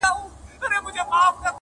پر ملا کړوپ عمر خوړلی،